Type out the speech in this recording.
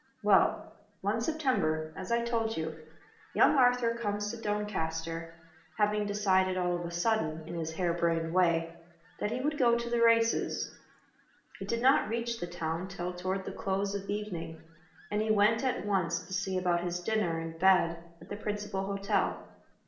Well, one September, as I told you, young Arthur comes to Doncaster, having decided all of a sudden, in his hare brained way, that he would go to the races. He did not reach the town till toward the close of evening, and he went at once to see about his dinner and bed at the principal hotel.